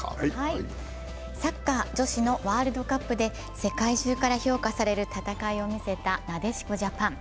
サッカー女子のワールドカップで世界中から評価される戦いを見せたなでしこジャパン。